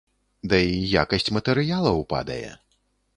Да і якасць матэрыялаў падае.